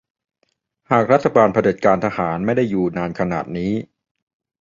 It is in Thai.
หากรัฐบาลเผด็จการทหารไม่ได้อยู่นานขนาดนี้